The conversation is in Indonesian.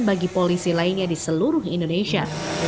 bagi polisi lainnya di seluruh indonesia